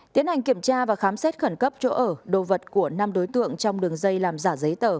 tiến hành kiểm tra và khám xét khẩn cấp chỗ ở đồ vật của năm đối tượng trong đường dây làm giả giấy tờ